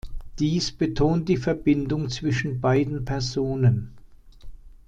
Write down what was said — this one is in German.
Dies betont die Verbindung zwischen beiden Personen.